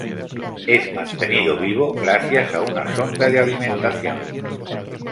Es mantenido vivo gracias a una sonda de alimentación.